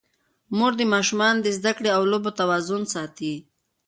مور د ماشومانو د زده کړې او لوبو توازن ساتي.